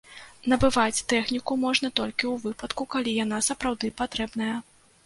Набываць тэхніку можна толькі ў выпадку, калі яна сапраўды патрэбная.